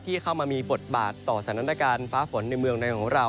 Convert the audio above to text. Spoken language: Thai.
เข้ามามีบทบาทต่อสถานการณ์ฟ้าฝนในเมืองในของเรา